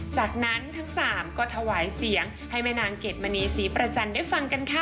จากนั้นทั้งสามก็ถวายเสียงให้แม่นางเกดมณีศรีประจันทร์ได้ฟังกันค่ะ